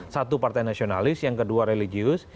satu partai nasionalis yang kedua religius